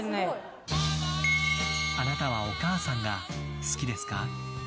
あなたはお母さんが好きですか？